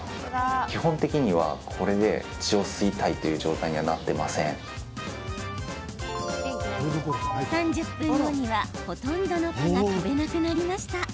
基本的には、これで３０分後には、ほとんどの蚊が飛べなくなりました。